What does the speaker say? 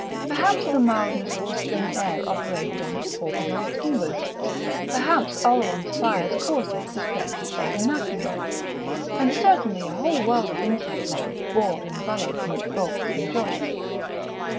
Perhaps the mildness of the spring air operated on its torpid old timbers; perhaps Oleron's fires caused it to stretch its old anatomy; and certainly a whole world of insect life bored and burrowed in its baulks and joists.